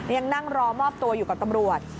ยังนั่งรอมอบตัวอยู่กับตำรวจ